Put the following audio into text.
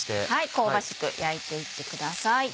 香ばしく焼いていってください。